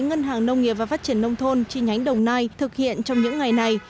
ngân hàng nông nghiệp và phát triển nông thôn chi nhánh đồng nai thực hiện trong những ngày này